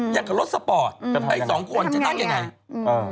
อย่างกับรถสปอร์ตไอ้๒คนจะตั้งอย่างไร